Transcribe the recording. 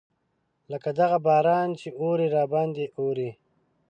لکه دغه باران چې اوري راباندې اوري.